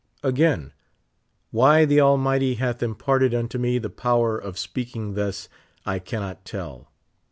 Again : Why the Almighty hath imparted unto me the power of speaking thus I cannot tell.